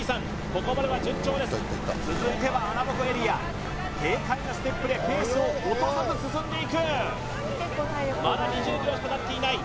ここまでは順調です続いては穴ぼこエリア軽快なステップでペースを落とさず進んでいくまだ２０秒しかたっていない